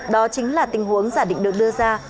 đó chính là tình huống giả định được đưa ra